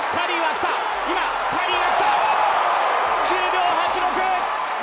９秒８６！